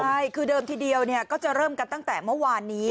ใช่คือเดิมทีเดียวก็จะเริ่มกันตั้งแต่เมื่อวานนี้